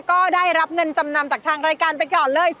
ก็ได้รับเงินจำนำจากทางรายการไปก่อนเลย